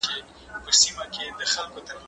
زه به زده کړه کړي وي